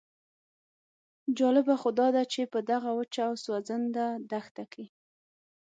جالبه خو داده چې په دغه وچه او سوځنده دښته کې.